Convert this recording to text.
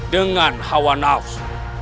dengan hawa nafsu